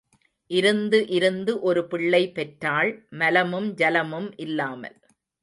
இருந்து இருந்து ஒரு பிள்ளை பெற்றாள், மலமும் ஜலமும் இல்லாமல்.